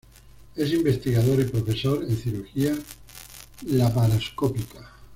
Es investigador y profesor en cirugía laparoscópica.